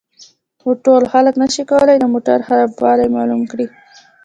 خو ټول خلک نشي کولای د موټر خرابوالی معلوم کړي